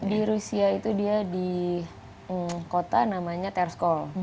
di rusia itu dia di kota namanya terskol